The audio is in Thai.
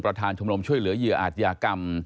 ประธานชมนมช่วยเหลือเยืออาธิกรรม